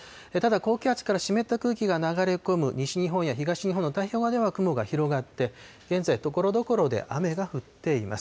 ただ、高気圧から湿った空気が流れ込む西日本や東日本の太平洋側では雲が広がって、現在、ところどころで雨が降っています。